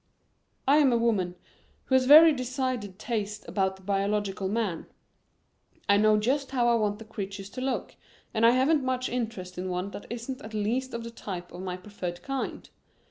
I am a woman who has very decided tastes about the biological man. I know just how I want the creatures to look, and I haven't much interest in one that isn't at least of the type of my preferred kind.